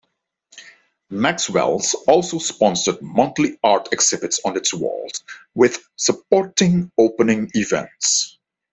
Maxwell's also sponsored monthly art exhibits on its walls, with supporting opening events.